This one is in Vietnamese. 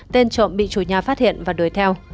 tên trộm bị chủ nhà phát hiện và đuổi theo